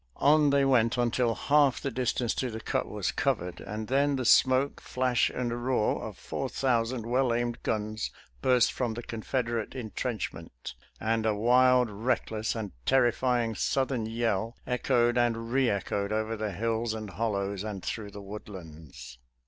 On they went until half the dis tance to the cut was covered, and then the smoke, flash and roar of four thousand well aimed guns burst from the Confederate intrenchment, and a wild, reckless, and terrifying Southern yell echoed and re echoed over the hills and hollows and through the woodlands.